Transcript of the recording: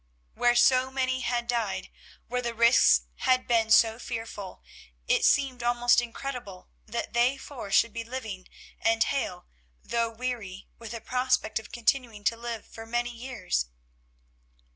Where so many had died, where the risks had been so fearful, it seemed almost incredible that they four should be living and hale, though weary, with a prospect of continuing to live for many years.